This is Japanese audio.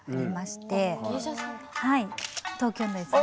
はい東京のですね。